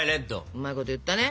うまいこと言ったね。